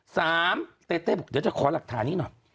เต้เต้บอกเดี๋ยวจะขอหลักฐานนี้หน่อย